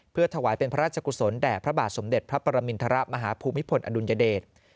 เพื่อถวายเป็นพระราชกุศลแด่พระบาทสมเด็จพระปรมินทรมาฮภูมิพลอดุลยเดช